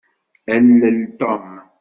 Alel Tom.